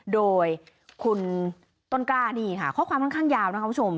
โดยคุณต้นกล้านี่ค่ะข้อความทั้งยาวนะคุณผู้ชม